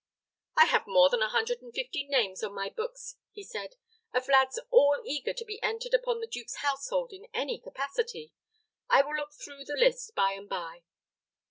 "I have more than a hundred and fifty names on my books," he said, "of lads all eager to be entered upon the duke's household in any capacity. I will look through the list by and by."